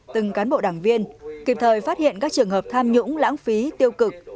từng cán bộ đảng viên kịp thời phát hiện các trường hợp tham nhũng lãng phí tiêu cực